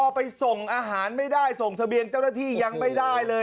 ไปส่งอาหารไม่ได้ส่งเสบียงเจ้าหน้าที่ยังไม่ได้เลย